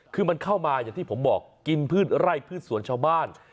คือมันเข้ามาอย่างที่ผมบอกกินพืชไร่พืชสวนชาวบ้าน